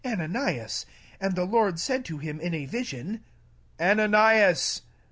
Ananias ; and the Lord said d him, in a vision, " Ananias.